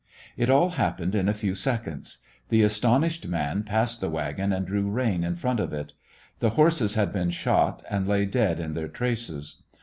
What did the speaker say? It all happened in a few seconds. The astonished man passed the wagon and drew rein in front of it. The horses had been shot, and lay dead in their traces.